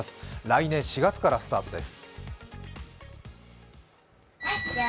来年４月からスタートです。